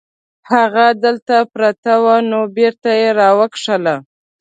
هغه هلته پرته وه نو بیرته یې راوکښله.